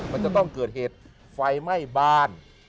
มันจะต้องเกิดเหตุไฟไหม้บ้าน